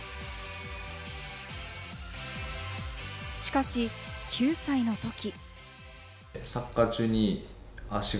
しかし９歳のとき。